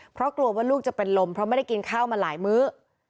เพราะกลัวว่าลูกจะเป็นลมเพราะไม่ได้กินข้าวมาหลายมื้อ